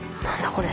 これ。